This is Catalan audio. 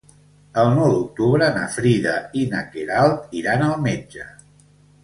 El nou d'octubre na Frida i na Queralt iran al metge.